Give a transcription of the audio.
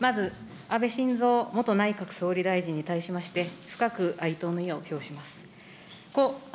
まず、安倍晋三元内閣総理大臣に対しまして、深く哀悼の意を表します。